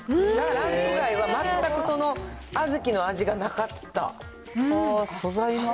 ランク外は全くその小豆の味がなかった。